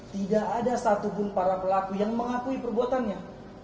tidak ada satupun para pelaku yang mengakui perbuatannya